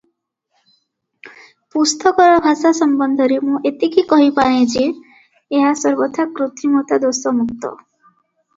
ପୁସ୍ତକର ଭାଷା ସମ୍ବନ୍ଧରେ ମୁଁ ଏତିକି କହିପାରେଁ ଯେ, ଏହା ସର୍ବଥା କୃତ୍ରିମତା ଦୋଷମୁକ୍ତ ।